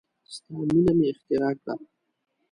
ستا مینه مې اختراع کړه